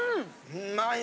うまい！